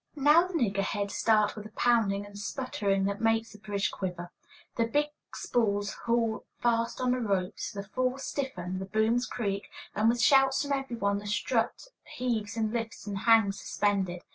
Now the niggerheads start with a pounding and sputtering that make the bridge quiver. The big spools haul fast on the ropes, the falls stiffen, the booms creak, and with shouts from every one, the strut heaves and lifts and hangs suspended.